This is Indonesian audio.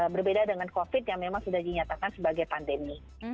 berbeda dengan covid yang memang sudah dinyatakan sebagai pandemi